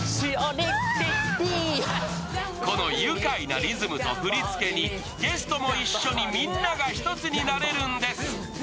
この愉快なリズムと振り付けにゲストも一緒にみんなが一つになれるんです